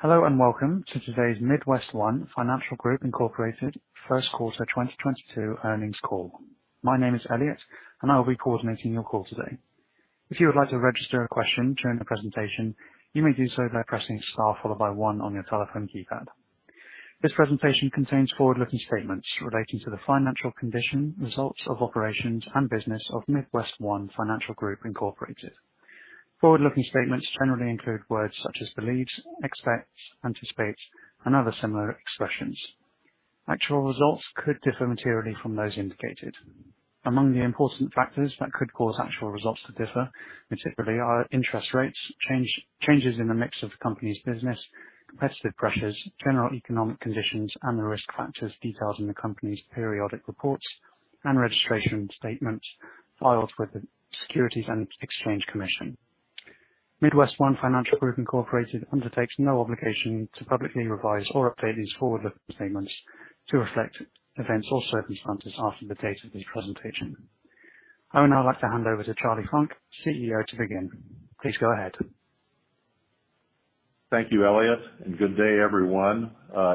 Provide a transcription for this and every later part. Hello, and welcome to today's MidWestOne Financial Group Incorporated first quarter 2022 earnings call. My name is Elliot, and I will be coordinating your call today. If you would like to register a question during the presentation, you may do so by pressing star followed by one on your telephone keypad. This presentation contains forward-looking statements relating to the financial condition, results of operations, and business of MidWestOne Financial Group Incorporated. Forward-looking statements generally include words such as believes, expects, anticipates and other similar expressions. Actual results could differ materially from those indicated. Among the important factors that could cause actual results to differ materially are interest rates, changes in the mix of the company's business, competitive pressures, general economic conditions, and the risk factors detailed in the company's periodic reports and registration statements filed with the Securities and Exchange Commission. MidWestOne Financial Group, Inc. undertakes no obligation to publicly revise or update these forward-looking statements to reflect events or circumstances after the date of this presentation. I would now like to hand over to Charlie Funk, CEO, to begin. Please go ahead. Thank you, Elliot, and good day, everyone.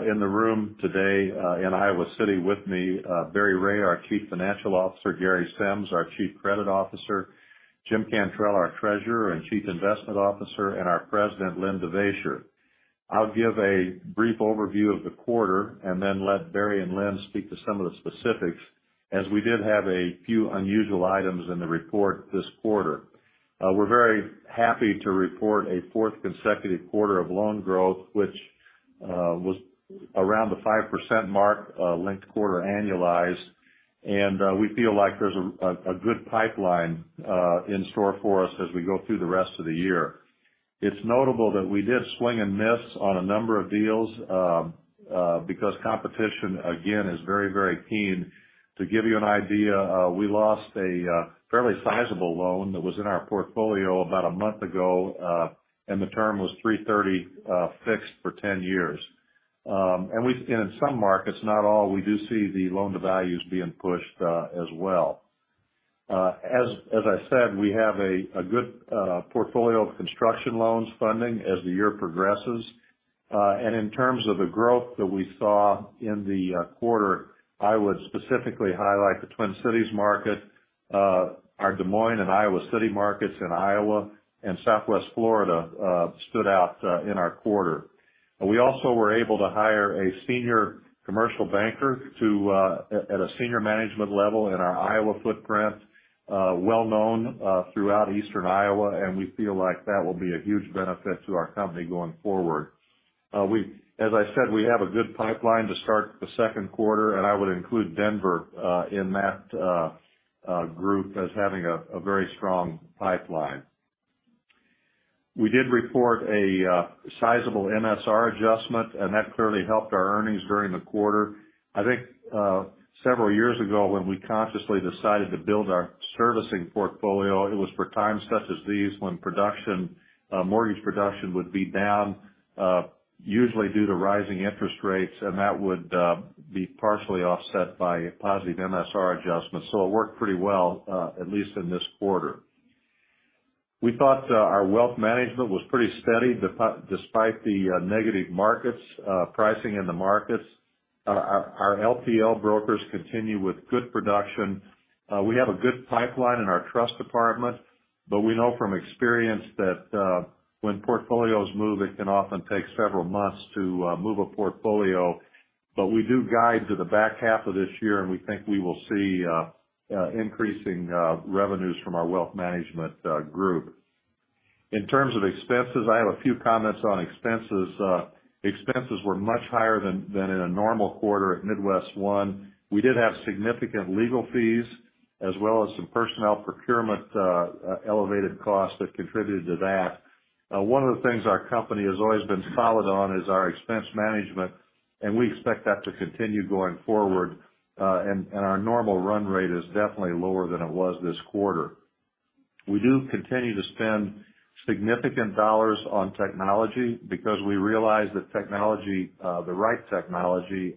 In the room today, in Iowa City with me, Barry Ray, our Chief Financial Officer, Gary Sims, our Chief Credit Officer, James Cantrell, our Treasurer and Chief Investment Officer, and our President, Len Devaisher. I'll give a brief overview of the quarter and then let Barry and Len speak to some of the specifics as we did have a few unusual items in the report this quarter. We're very happy to report a fourth consecutive quarter of loan growth, which was around the 5% mark, linked quarter annualized, and we feel like there's a good pipeline in store for us as we go through the rest of the year. It's notable that we did swing and miss on a number of deals, because competition again is very, very keen. To give you an idea, we lost a fairly sizable loan that was in our portfolio about a month ago, and the term was 3.30, fixed for 10 years. In some markets, not all, we do see the loan-to-value being pushed, as well. As I said, we have a good portfolio of construction loans funding as the year progresses. In terms of the growth that we saw in the quarter, I would specifically highlight the Twin Cities market, our Des Moines and Iowa City markets in Iowa and Southwest Florida, stood out in our quarter. We also were able to hire a senior commercial banker to a senior management level in our Iowa footprint, well known throughout eastern Iowa, and we feel like that will be a huge benefit to our company going forward. As I said, we have a good pipeline to start the second quarter, and I would include Denver in that group as having a very strong pipeline. We did report a sizable MSR adjustment, and that clearly helped our earnings during the quarter. I think several years ago, when we consciously decided to build our servicing portfolio, it was for times such as these when mortgage production would be down, usually due to rising interest rates, and that would be partially offset by positive MSR adjustments. It worked pretty well, at least in this quarter. We thought our wealth management was pretty steady despite the negative markets, pricing in the markets. Our LPL brokers continue with good production. We have a good pipeline in our trust department, but we know from experience that when portfolios move, it can often take several months to move a portfolio. We do guide to the back half of this year, and we think we will see increasing revenues from our wealth management group. In terms of expenses, I have a few comments on expenses. Expenses were much higher than in a normal quarter at MidWestOne. We did have significant legal fees as well as some personnel procurement elevated costs that contributed to that. One of the things our company has always been solid on is our expense management, and we expect that to continue going forward. Our normal run rate is definitely lower than it was this quarter. We do continue to spend significant dollars on technology because we realize that technology, the right technology,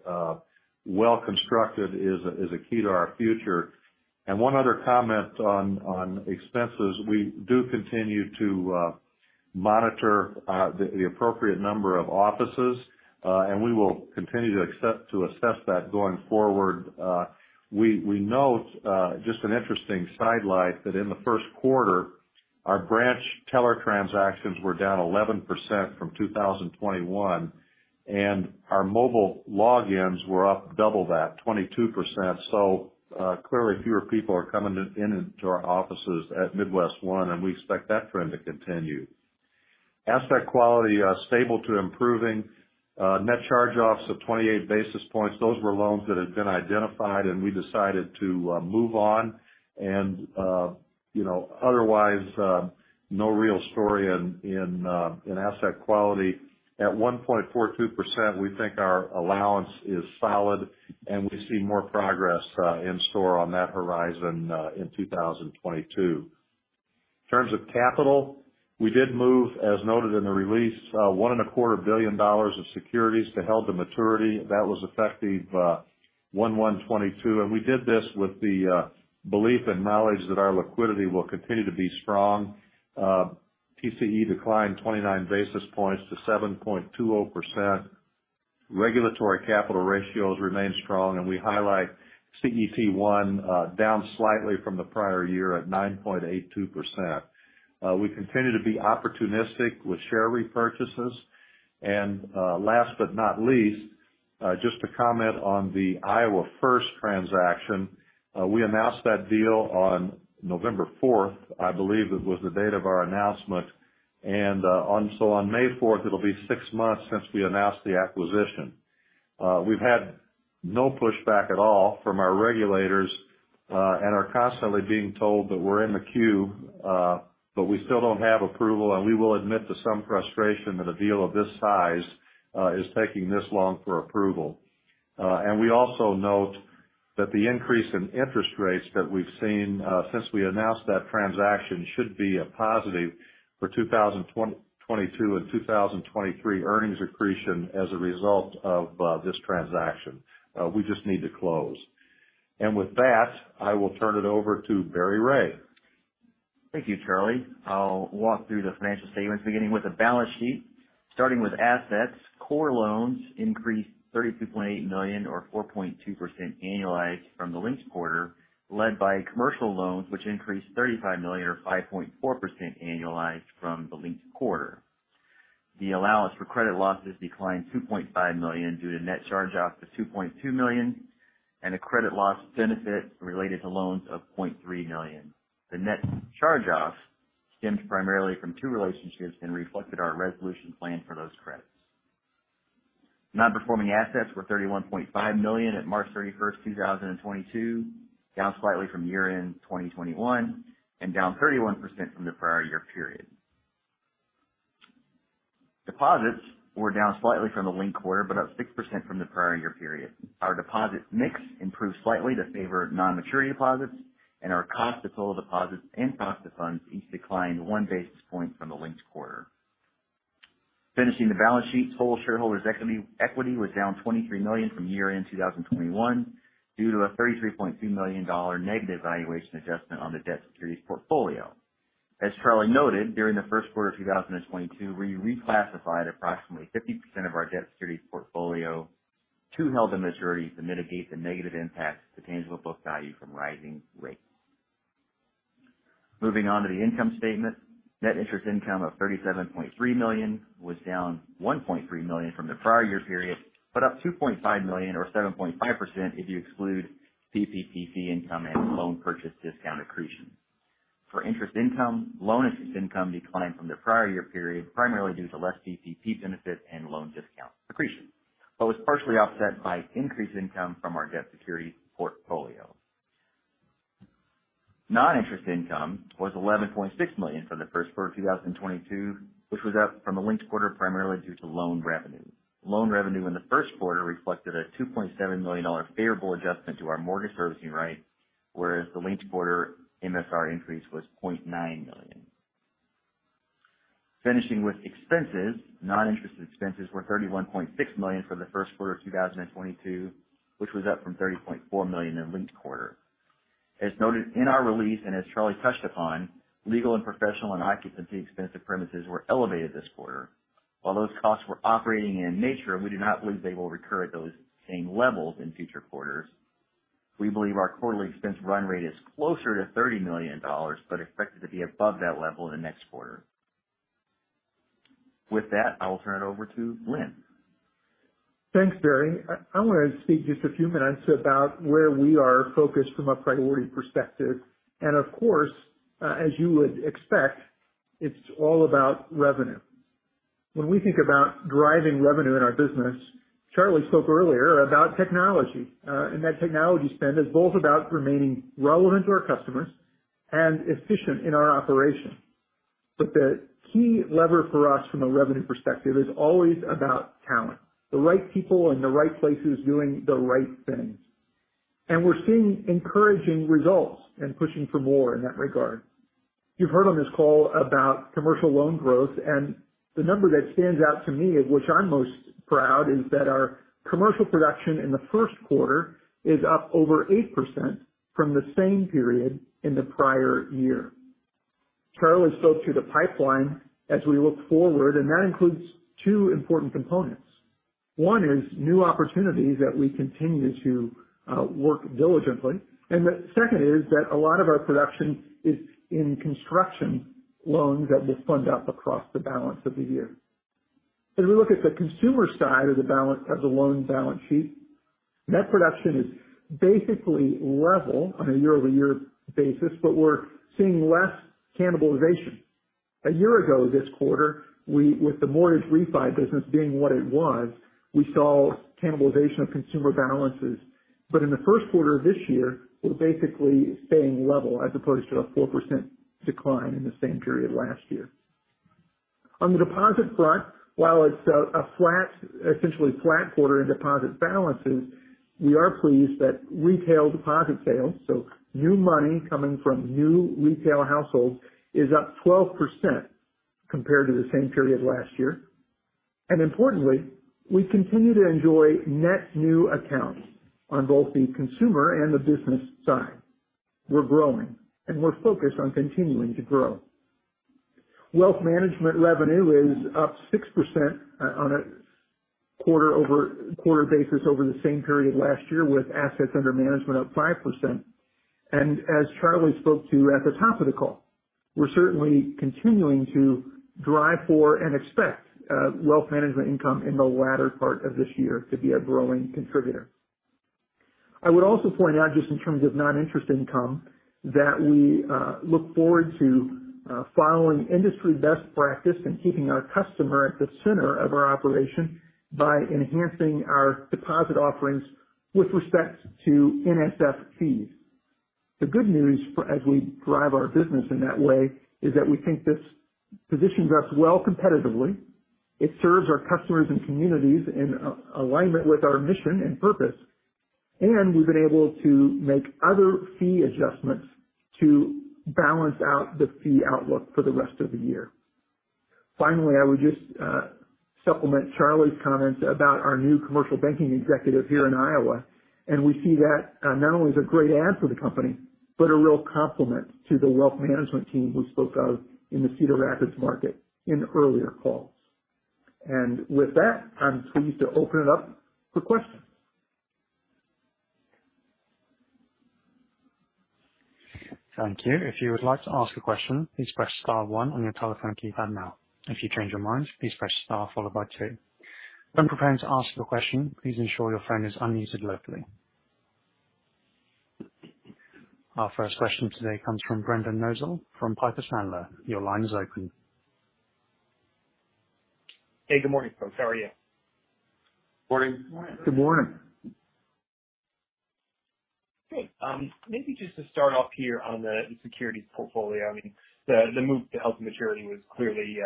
well constructed is a key to our future. One other comment on expenses. We do continue to monitor the appropriate number of offices, and we will continue to assess that going forward. We note just an interesting sidelight that in the first quarter, our branch teller transactions were down 11% from 2021, and our mobile logins were up double that, 22%. Clearly fewer people are coming in to our offices at MidWestOne, and we expect that trend to continue. Asset quality stable to improving. Net charge-offs of 28 basis points. Those were loans that had been identified, and we decided to move on and you know, otherwise no real story in asset quality. At 1.42%, we think our allowance is solid, and we see more progress in store on that horizon in 2022. In terms of capital, we did move, as noted in the release, $1.25 billion of securities to held-to-maturity. That was effective. 1122. We did this with the belief and knowledge that our liquidity will continue to be strong. TCE declined 29 basis points to 7.20%. Regulatory capital ratios remain strong, and we highlight CET1 down slightly from the prior year at 9.82%. We continue to be opportunistic with share repurchases. Last but not least, just to comment on the Iowa First transaction. We announced that deal on November 4th, I believe it was the date of our announcement. So on May 4th, it'll be six months since we announced the acquisition. We've had no pushback at all from our regulators, and are constantly being told that we're in the queue, but we still don't have approval and we will admit to some frustration that a deal of this size is taking this long for approval. We also note that the increase in interest rates that we've seen since we announced that transaction should be a positive for 2022 and 2023 earnings accretion as a result of this transaction. We just need to close. With that, I will turn it over to Barry Ray. Thank you, Charlie. I'll walk through the financial statements beginning with the balance sheet. Starting with assets, core loans increased $32.8 million or 4.2% annualized from the linked quarter, led by commercial loans which increased $35 million or 5.4% annualized from the linked quarter. The allowance for credit losses declined $2.5 million due to net charge-offs of $2.2 million and a credit loss benefit related to loans of $0.3 million. The net charge-offs stemmed primarily from two relationships and reflected our resolution plan for those credits. Non-performing assets were $31.5 million at March 31, 2022, down slightly from year-end 2021 and down 31% from the prior year period. Deposits were down slightly from the linked quarter, but up 6% from the prior year period. Our deposit mix improved slightly to favor non-maturity deposits and our cost of total deposits and cost of funds each declined 1 basis point from the linked quarter. Finishing the balance sheet, total shareholders equity was down $23 million from year-end 2021 due to a $33.2 million negative valuation adjustment on the debt securities portfolio. As Charlie noted, during the first quarter of 2022, we reclassified approximately 50% of our debt securities portfolio to held-to-maturity to mitigate the negative impact to tangible book value from rising rates. Moving on to the income statement. Net interest income of $37.3 million was down $1.3 million from the prior year period, but up $2.5 million or 7.5% if you exclude PPP income and loan purchase discount accretion. For interest income, loan assistance income declined from the prior year period, primarily due to less PPP benefit and loan discount accretion, but was partially offset by increased income from our debt securities portfolio. Non-interest income was $11.6 million for the first quarter of 2022, which was up from the linked quarter primarily due to loan revenue. Loan revenue in the first quarter reflected a $2.7 million favorable adjustment to our mortgage servicing rights, whereas the linked quarter MSR increase was $0.9 million. Finishing with expenses, non-interest expenses were $31.6 million for the first quarter of 2022, which was up from $30.4 million in the linked quarter. As noted in our release and as Charlie touched upon, legal and professional and occupancy expense at premises were elevated this quarter. While those costs were operating in nature, we do not believe they will recur at those same levels in future quarters. We believe our quarterly expense run rate is closer to $30 million, but expected to be above that level in the next quarter. With that, I will turn it over to Len. Thanks, Barry. I wanna speak just a few minutes about where we are focused from a priority perspective. Of course, as you would expect, it's all about revenue. When we think about driving revenue in our business, Charlie spoke earlier about technology, and that technology spend is both about remaining relevant to our customers and efficient in our operations. The key lever for us from a revenue perspective is always about talent, the right people in the right places doing the right things. We're seeing encouraging results and pushing for more in that regard. You've heard on this call about commercial loan growth and the number that stands out to me, of which I'm most proud, is that our commercial production in the first quarter is up over 8% from the same period in the prior year. Charlie spoke to the pipeline as we look forward, and that includes two important components. One is new opportunities that we continue to work diligently. The second is that a lot of our production is in construction loans that will fund up across the balance of the year. As we look at the consumer side of the balance, of the loan balance sheet, net production is basically level on a year-over-year basis, but we're seeing less cannibalization. A year ago this quarter, with the mortgage refi business being what it was, we saw cannibalization of consumer balances. In the first quarter of this year, we're basically staying level as opposed to a 4% decline in the same period last year. On the deposit front, while it's a flat, essentially flat quarter in deposit balances, we are pleased that retail deposit sales, so new money coming from new retail households, is up 12% compared to the same period last year. Importantly, we continue to enjoy net new accounts on both the consumer and the business side. We're growing, and we're focused on continuing to grow. Wealth management revenue is up 6% on a quarter-over-quarter basis over the same period last year, with assets under management up 5%. As Charlie spoke to at the top of the call, we're certainly continuing to drive for and expect wealth management income in the latter part of this year to be a growing contributor. I would also point out just in terms of non-interest income, that we look forward to following industry best practice and keeping our customer at the center of our operation by enhancing our deposit offerings with respect to NSF fees. The good news as we drive our business in that way is that we think this positions us well competitively, it serves our customers and communities in alignment with our mission and purpose, and we've been able to make other fee adjustments to balance out the fee outlook for the rest of the year. Finally, I would just supplement Charlie's comments about our new commercial banking executive here in Iowa, and we see that not only as a great add for the company, but a real complement to the wealth management team we spoke of in the Cedar Rapids market in earlier calls. With that, I'm pleased to open it up for questions. Thank you. If you would like to ask a question, please press star one on your telephone keypad now. If you change your mind, please press star followed by two. When preparing to ask your question, please ensure your phone is unmuted locally. Our first question today comes from Brendan Nosal from Piper Sandler. Your line is open. Hey, good morning, folks. How are you? Morning. Morning. Good morning. Good. Maybe just to start off here on the securities portfolio, I mean, the move to Held-to-Maturity was clearly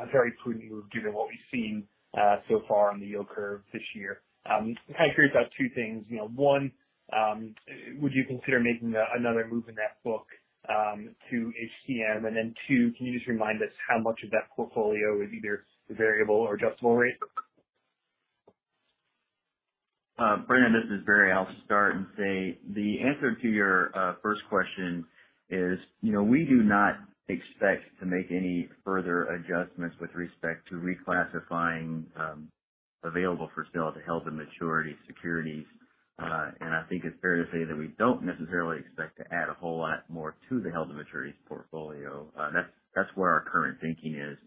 a very prudent move given what we've seen so far on the yield curve this year. Kind of curious about two things. You know, one, would you consider making another move in that book to HTM? And then two, can you just remind us how much of that portfolio is either variable or adjustable rate? Brendan, this is Barry. I'll start and say the answer to your first question is, you know, we do not expect to make any further adjustments with respect to reclassifying available-for-sale to held-to-maturity securities. I think it's fair to say that we don't necessarily expect to add a whole lot more to the held-to-maturity portfolio. That's where our current thinking is.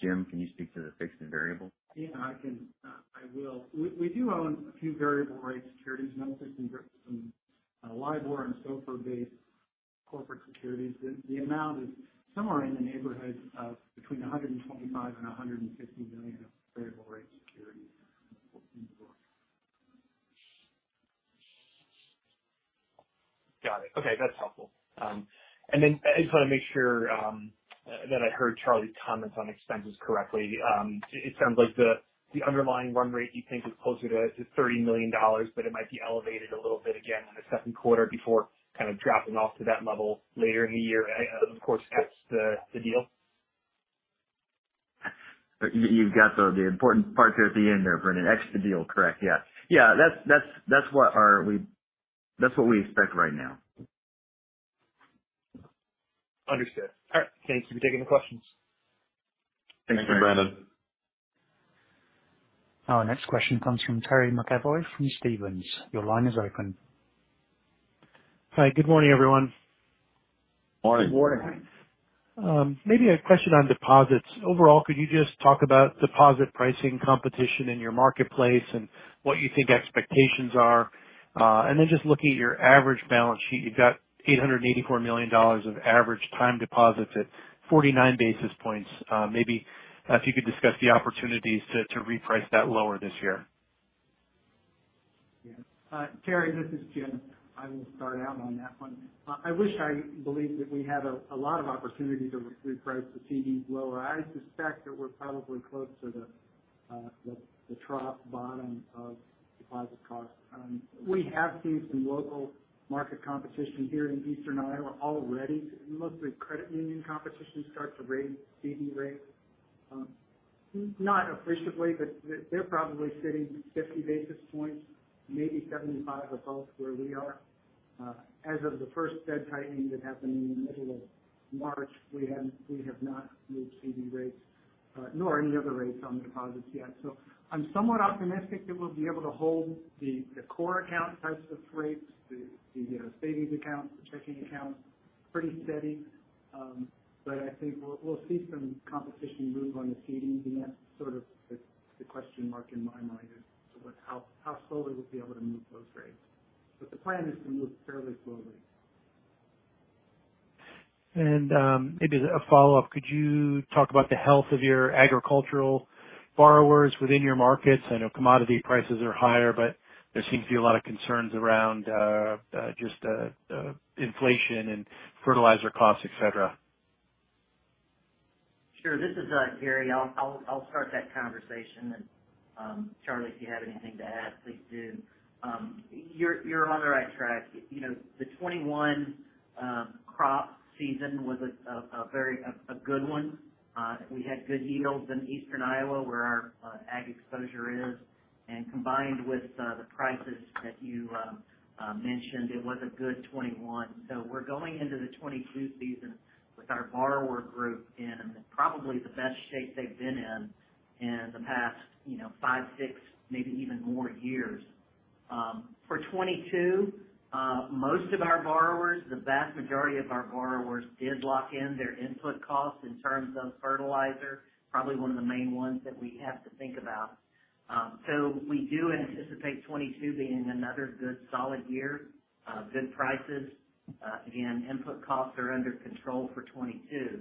James, can you speak to the fixed and variable? Yeah, I can. I will. We do own a few variable rate securities, mostly some LIBOR and SOFR-based corporate securities. The amount is somewhere in the neighborhood of between $125 million and $150 million of variable rate securities in the book. Got it. Okay, that's helpful. I just want to make sure that I heard Charlie's comments on expenses correctly. It sounds like the underlying run rate you think is closer to $30 million, but it might be elevated a little bit again in the second quarter before kind of dropping off to that level later in the year. Of course, that's the deal. You've got the important part there at the end there, Brendan. Except the deal, correct. Yeah. Yeah. That's what we expect right now. Understood. All right. Thanks for taking the questions. Thanks, Brendan. Our next question comes from Terry McEvoy from Stephens. Your line is open. Hi. Good morning, everyone. Morning. Morning. Maybe a question on deposits. Overall, could you just talk about deposit pricing competition in your marketplace and what you think expectations are? Just looking at your average balance sheet, you've got $884 million of average time deposits at 49 basis points. Maybe if you could discuss the opportunities to reprice that lower this year. Yeah. Terry, this is Jim. I will start out on that one. I wish I believed that we had a lot of opportunity to reprice the CDs lower. I suspect that we're probably close to the trough bottom of deposit costs. We have seen some local market competition here in Eastern Iowa already. Mostly credit union competition start to raise CD rates. Not aggressively, but they're probably sitting 50 basis points, maybe 75 above where we are. As of the first Fed tightening that happened in the middle of March, we have not moved CD rates, nor any other rates on deposits yet. I'm somewhat optimistic that we'll be able to hold the core account types of rates, the you know, savings accounts, the checking accounts pretty steady. I think we'll see some competition move on the CD. That's sort of the question mark in my mind, is sort of how slowly we'll be able to move those rates. The plan is to move fairly slowly. Maybe as a follow-up, could you talk about the health of your agricultural borrowers within your markets? I know commodity prices are higher, but there seem to be a lot of concerns around, just, inflation and fertilizer costs, et cetera. Sure. This is Gary. I'll start that conversation and Charlie, if you have anything to add, please do. You're on the right track. You know, the 2021 crop season was a very good one. We had good yields in Eastern Iowa, where our ag exposure is. Combined with the prices that you mentioned, it was a good 2021. We're going into the 2022 season with our borrower group in probably the best shape they've been in in the past, you know, five, six, maybe even more years. For 2022, most of our borrowers, the vast majority of our borrowers did lock in their input costs in terms of fertilizer, probably one of the main ones that we have to think about. We do anticipate 2022 being another good, solid year, good prices. Again, input costs are under control for 2022.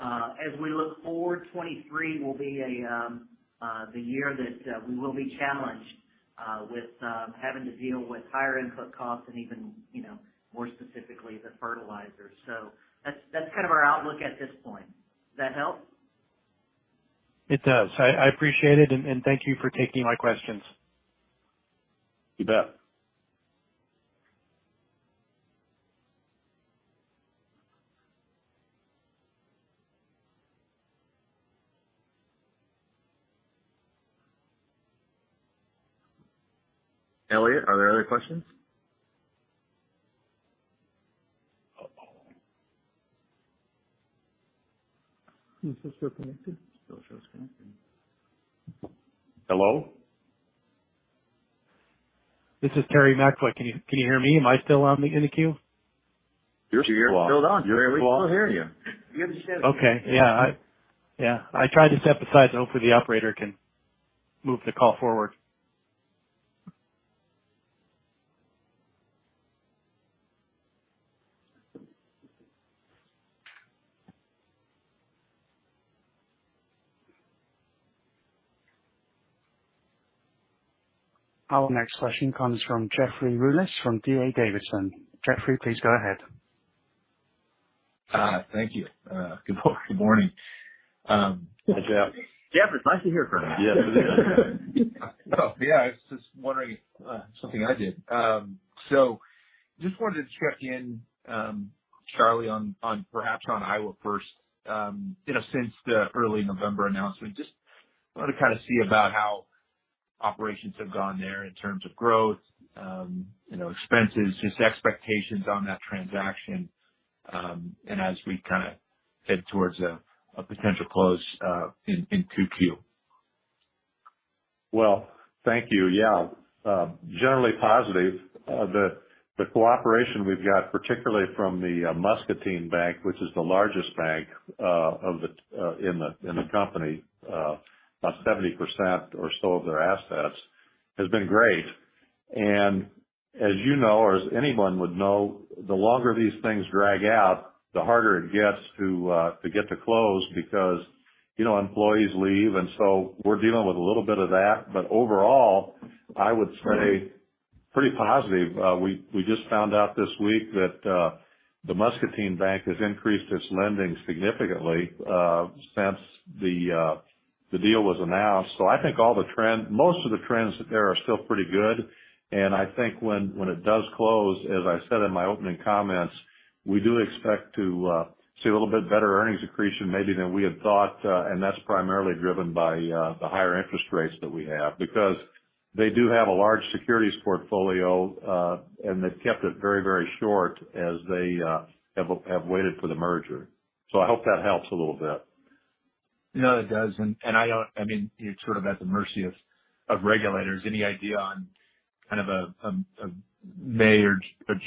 As we look forward, 2023 will be the year that we will be challenged with having to deal with higher input costs and even, you know, more specifically, the fertilizers. That's kind of our outlook at this point. Does that help? It does. I appreciate it, and thank you for taking my questions. You bet. Elliot, are there other questions? It says still connecting. Still shows connecting. Hello? This is Terry McEvoy. Can you hear me? Am I still in the queue? You're still on. We still hear you. We understand. Okay. Yeah, I tried to step aside, so hopefully the operator can move the call forward. Our next question comes from Jeff Rulis from D.A. Davidson. Jeff, please go ahead. Thank you. Good morning. Hi, Jeff. Jeff, it's nice to hear from you. Just wanted to check in, Charlie, on perhaps Iowa First, you know, since the early November announcement, just wanted to kind of see about how operations have gone there in terms of growth, you know, expenses, just expectations on that transaction, and as we kinda head towards a potential close in 2Q. Well, thank you. Yeah. Generally positive. The cooperation we've got, particularly from the Muscatine Bank, which is the largest bank in the company, about 70% or so of their assets, has been great. As you know, or as anyone would know, the longer these things drag out, the harder it gets to get to close because, you know, employees leave. We're dealing with a little bit of that. Overall, I would say pretty positive. We just found out this week that the Muscatine Bank has increased its lending significantly since the deal was announced. I think most of the trends there are still pretty good. I think when it does close, as I said in my opening comments, we do expect to see a little bit better earnings accretion maybe than we had thought, and that's primarily driven by the higher interest rates that we have. Because they do have a large securities portfolio, and they've kept it very, very short as they have waited for the merger. I hope that helps a little bit. No, it does. I mean, it's sort of at the mercy of regulators. Any idea on kind of a May or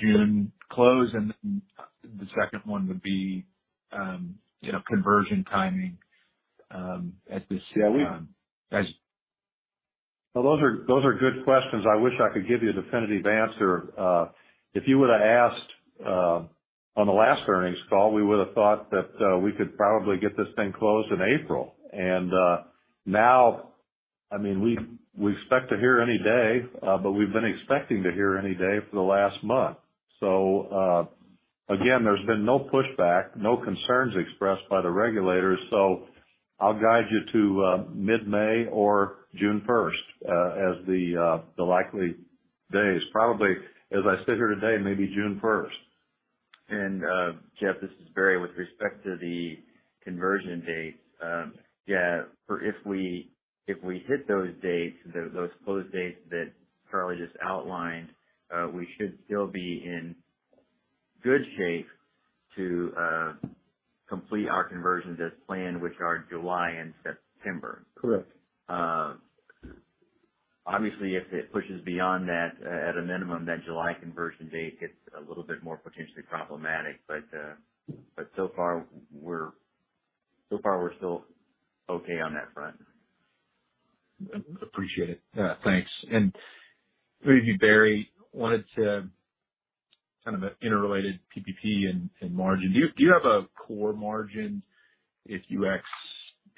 June close? The second one would be, you know, conversion timing, as this- Yeah. As. Well, those are good questions. I wish I could give you a definitive answer. If you would've asked on the last earnings call, we would've thought that we could probably get this thing closed in April. Now, I mean, we expect to hear any day, but we've been expecting to hear any day for the last month. Again, there's been no pushback, no concerns expressed by the regulators. I'll guide you to mid-May or June first as the likely days, probably, as I sit here today, maybe June first. Jeff, this is Barry. With respect to the conversion dates, yeah, if we hit those close dates that Charlie just outlined, we should still be in good shape to complete our conversions as planned, which are July and September. Correct. Obviously, if it pushes beyond that, at a minimum, that July conversion date gets a little bit more potentially problematic. So far we're still okay on that front. Appreciate it. Thanks. Maybe, Barry, wanted to kind of an interrelated PPP and margin. Do you have a core margin if you ex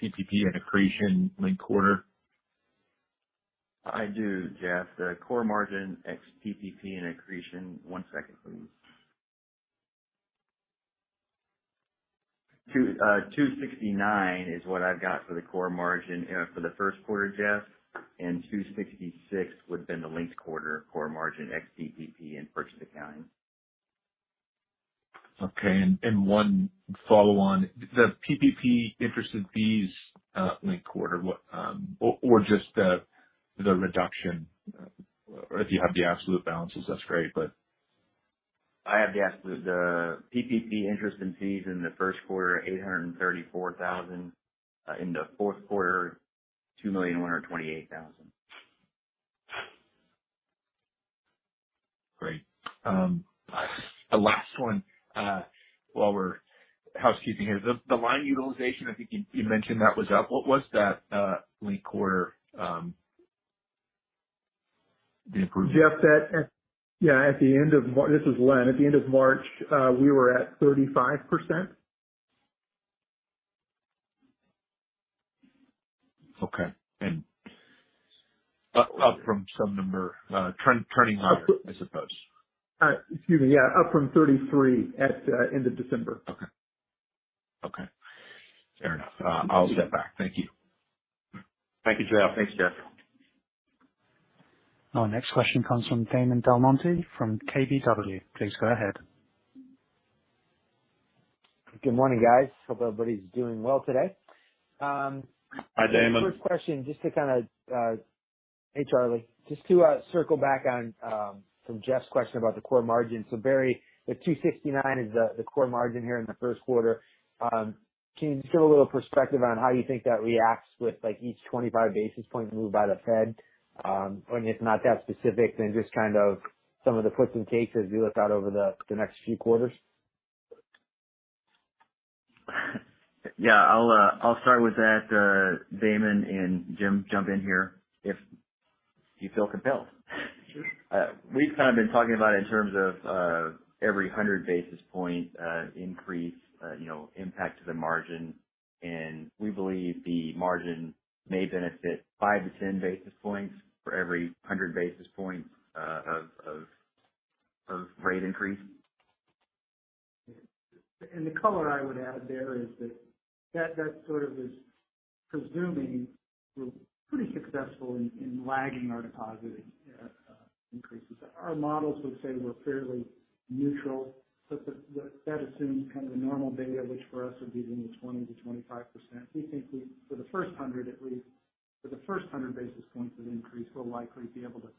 PPP and accretion linked quarter? I do, Jeff. The core margin ex PPP and accretion, one second please. 2.69% is what I've got for the core margin for the first quarter, Jeff, and 2.66% would have been the linked quarter core margin ex PPP and purchase accounting. Okay. One follow on. The PPP interest and fees, linked quarter, what, or just the reduction. If you have the absolute balances, that's great, but. The PPP interest and fees in the first quarter, $834,000. In the fourth quarter, $2,128,000. Great. A last one, while we're housekeeping here. The line utilization, I think you mentioned that was up. What was that, linked quarter, the improvement? Jeff, this is Len. At the end of March, we were at 35%. Okay. Up from some number, turning higher, I suppose. Excuse me. Yeah. Up from 33 at end of December. Okay. Fair enough. I'll step back. Thank you. Thank you, Jeff. Thanks, Jeff. Our next question comes from Damon DelMonte from KBW. Please go ahead. Good morning, guys. Hope everybody's doing well today. Hi, Damon. First question just to kind of hey, Charlie. Just to circle back on from Jeff's question about the core margin. Barry, the 2.69 is the core margin here in the first quarter. Can you just give a little perspective on how you think that reacts with like each 25 basis point move by the Fed? When it's not that specific, then just kind of some of the puts and takes as we look out over the next few quarters. Yeah, I'll start with that, Damon, and Jim, jump in here if you feel compelled. We've kind of been talking about it in terms of every 100 basis point increase, you know, impact to the margin. We believe the margin may benefit 5-10 basis points for every 100 basis points of rate increase. The color I would add there is that that sort of is presuming we're pretty successful in lagging our depositing increases. Our models would say we're fairly neutral, but that assumes kind of the normal beta, which for us would be in the 20%-25%. We think we for the first 100 basis points of increase, we'll likely be able to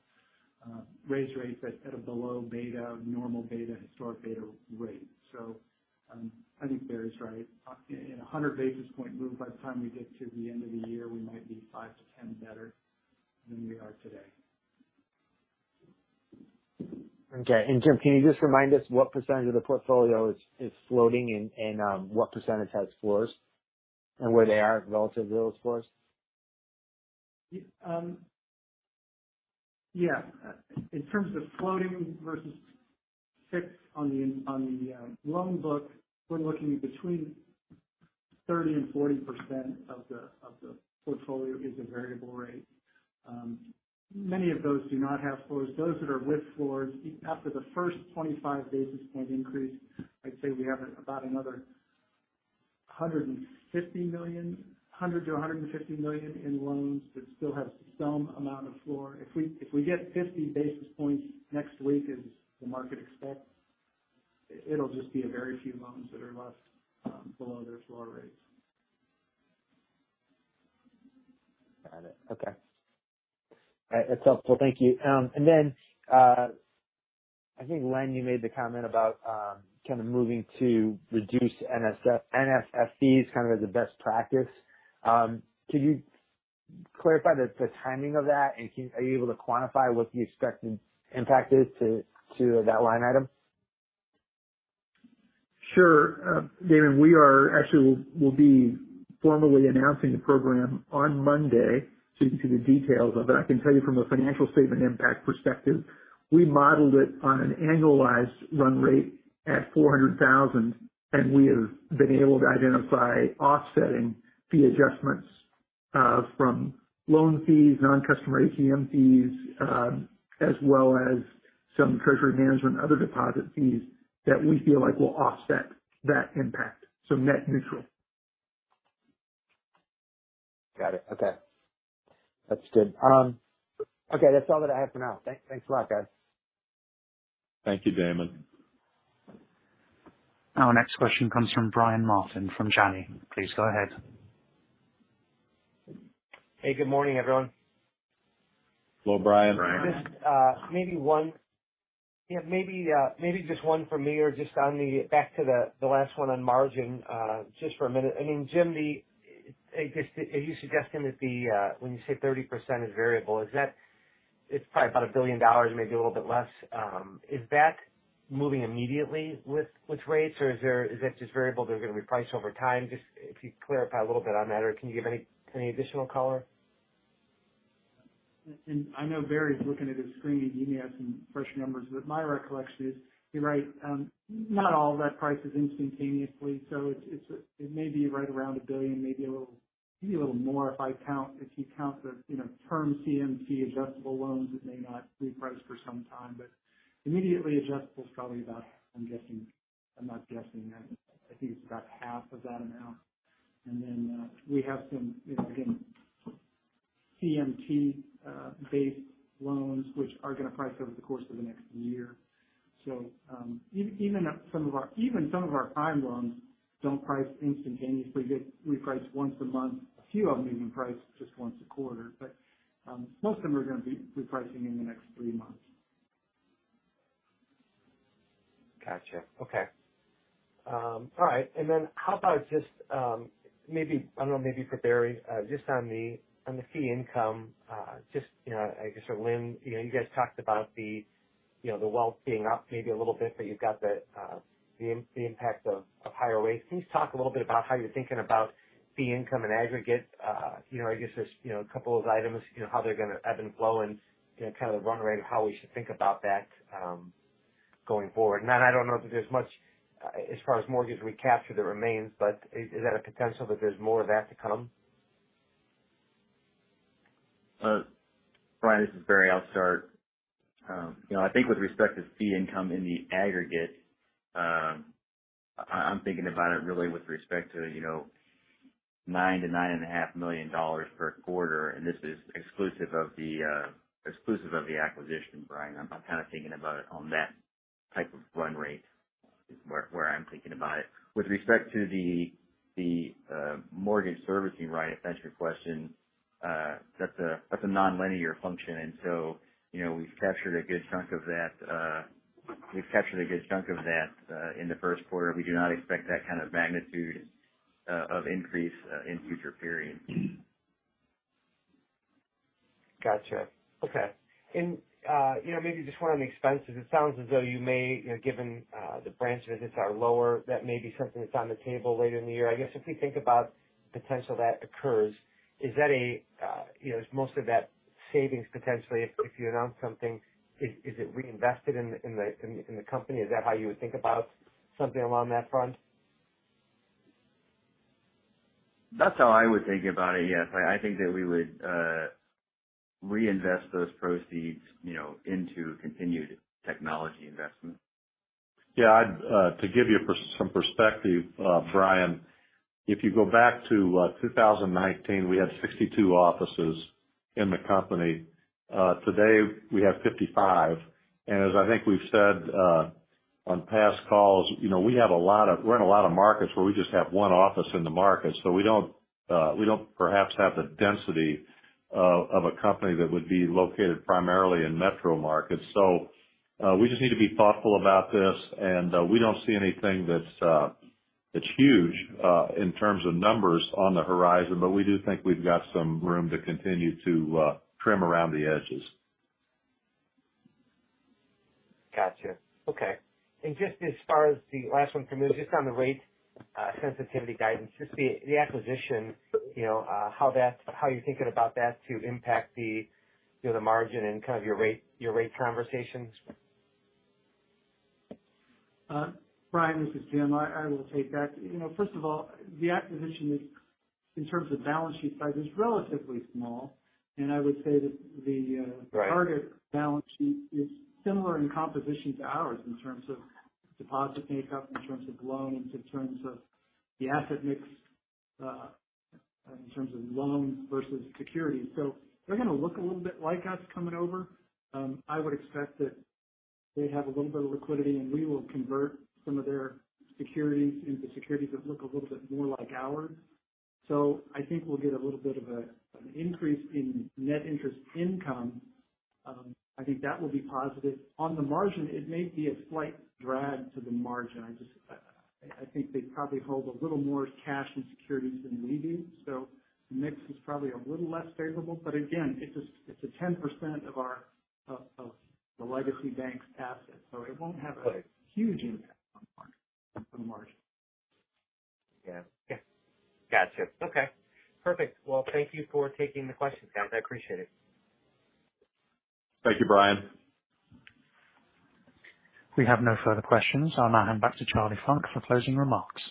raise rates at a below beta, normal beta, historic beta rate. I think Barry's right. In a 100 basis point move by the time we get to the end of the year, we might be 5-10 better than we are today. Okay. James, can you just remind us what percentage of the portfolio is floating and what percentage has floors and where they are relative to those floors? Yeah. In terms of floating versus fixed on the loan book, we're looking at between 30% and 40% of the portfolio is a variable rate. Many of those do not have floors. Those that are with floors, after the first 25 basis point increase, I'd say we have about another $150 million in loans that still have some amount of floor. If we get 50 basis points next week as the market expects, it'll just be a very few loans that are left below their floor rates. Got it. Okay. All right. That's helpful. Thank you. I think, Len, you made the comment about kind of moving to reduce NSF/ODs kind of as a best practice. Could you clarify the timing of that, and are you able to quantify what the expected impact is to that line item? Sure. Damon, actually, we'll be formally announcing the program on Monday. You can see the details of it. I can tell you from a financial statement impact perspective, we modeled it on an annualized run rate at $400,000, and we have been able to identify offsetting fee adjustments, from loan fees, non-customer ATM fees, as well as some treasury management and other deposit fees that we feel like will offset that impact. Net neutral. Got it. Okay. That's good. Okay, that's all that I have for now. Thanks a lot, guys. Thank you, Damon. Our next question comes from Brian Martin from Janney. Please go ahead. Hey, good morning, everyone. Hello, Brian. Brian. Just maybe one. Yeah, maybe just one for me or just back to the last one on margin, just for a minute. I mean, James, I guess are you suggesting that when you say 30% is variable, is that. It's probably about $1 billion, maybe a little bit less. Is that moving immediately with rates, or is that just variable that are going to be priced over time? Just if you could clarify a little bit on that or can you give any additional color? I know Barry's looking at his screen and he may have some fresh numbers, but my recollection is you're right. Not all of that prices instantaneously, so it may be right around $1 billion, maybe a little more if you count the, you know, term CMT adjustable loans that may not reprice for some time. Immediately adjustable is probably about, I'm guessing, I'm not guessing, I think it's about half of that amount. We have some, you know, again, CMT based loans which are gonna price over the course of the next year. Even some of our time loans don't price instantaneously, they reprice once a month. A few of them even price just once a quarter. Most of them are gonna be repricing in the next three months. Gotcha. Okay. All right. How about just, maybe, I don't know, maybe for Barry, just on the, on the fee income, just, you know, I guess or Len, you know, you guys talked about the, you know, the wealth being up maybe a little bit, but you've got the impact of higher rates. Can you just talk a little bit about how you're thinking about fee income in aggregate? You know, I guess there's, you know, a couple of items, you know, how they're gonna ebb and flow and, you know, kind of the run rate of how we should think about that, going forward. I don't know if there's much, as far as mortgage recapture that remains, but is that a potential that there's more of that to come? Brian, this is Barry. I'll start. You know, I think with respect to fee income in the aggregate, I'm thinking about it really with respect to, you know, $9 millon-$9.5 million per quarter. This is exclusive of the acquisition, Brian. I'm kind of thinking about it on that type of run rate, is where I'm thinking about it. With respect to the mortgage servicing, Brian, if that's your question, that's a nonlinear function. You know, we've captured a good chunk of that. We've captured a good chunk of that in the first quarter. We do not expect that kind of magnitude of increase in future periods. Gotcha. Okay. You know, maybe just one on the expenses. It sounds as though you may, you know, given the branch visits are lower, that may be something that's on the table later in the year. I guess if we think about potential that occurs, is that a you know, is most of that savings potentially if you announce something, is it reinvested in the company? Is that how you would think about something along that front? That's how I would think about it, yes. I think that we would reinvest those proceeds, you know, into continued technology investment. Yeah, to give you some perspective, Brian, if you go back to 2019, we had 62 offices in the company. Today we have 55. As I think we've said on past calls, you know, we're in a lot of markets where we just have one office in the market. We don't perhaps have the density of a company that would be located primarily in metro markets. We just need to be thoughtful about this. We don't see anything that's huge in terms of numbers on the horizon. We do think we've got some room to continue to trim around the edges. Gotcha. Okay. Just as far as the last one for me, just on the rate sensitivity guidance, just the acquisition, you know, how you're thinking about that to impact the, you know, the margin and kind of your rate conversations? Brian, this is James. I will take that. You know, first of all, the acquisition, in terms of balance sheet size, is relatively small. I would say that the Right. Their target balance sheet is similar in composition to ours in terms of deposit makeup, in terms of loans, in terms of the asset mix, in terms of loans versus securities. They're gonna look a little bit like us coming over. I would expect that they have a little bit of liquidity, and we will convert some of their securities into securities that look a little bit more like ours. I think we'll get a little bit of an increase in net interest income. I think that will be positive. On the margin, it may be a slight drag to the margin. I just think they probably hold a little more cash and securities than we do, so the mix is probably a little less favorable. Again, it's a 10% of our, of the legacy bank's assets, so it won't have a huge impact on margin, on the margin. Yeah. Yeah. Gotcha. Okay. Perfect. Well, thank you for taking the questions, guys. I appreciate it. Thank you, Brian. We have no further questions. I'll now hand back to Charlie Funk for closing remarks.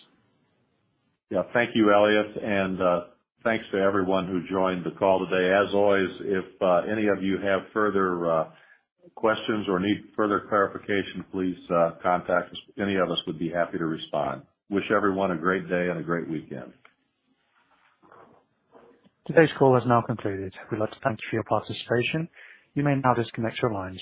Yeah. Thank you, Elliot, and thanks to everyone who joined the call today. As always, if any of you have further questions or need further clarification, please contact us. Any of us would be happy to respond. Wish everyone a great day and a great weekend. Today's call has now concluded. We'd like to thank you for your participation. You may now disconnect your lines.